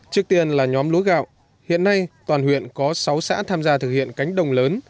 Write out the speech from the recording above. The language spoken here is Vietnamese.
trước tiên là nhóm lúa gạo hiện nay toàn huyện có sáu xã tham gia thực hiện cánh đồng lớn